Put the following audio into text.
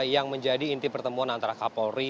yang menjadi inti pertemuan antara kapolri